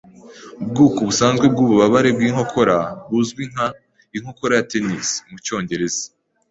Ubwoko busanzwe bwububabare bwinkokora buzwi nka "inkokora ya tennis" mucyongereza.